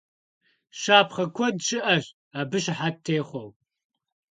Щапхъэ куэд щыӀэщ абы щыхьэт техъуэу.